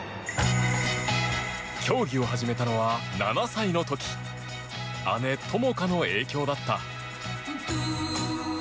競技を始めたのは７歳の時姉・友花の影響だった。